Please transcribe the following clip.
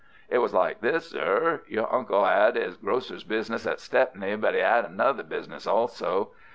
"It was like this, sir. Your uncle 'ad 'is grocer's business at Stepney, but 'e 'ad another business also.